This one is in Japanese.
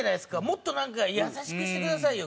もっとなんか優しくしてくださいよ。